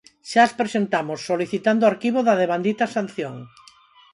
Xa as presentamos, solicitando o arquivo da devandita sanción.